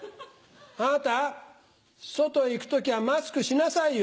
あなた外へ行く時はマスクしなさいよ。